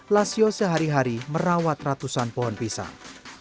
lasio sehari hari merawat ratusan pohon pisang